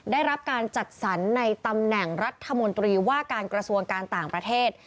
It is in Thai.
ได้รับการจัดสรรในตำแหน่งรัฐมนตรีว่าการกระทรวงการต่างประเทศ